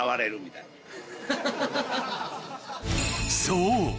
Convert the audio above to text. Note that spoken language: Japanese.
［そう！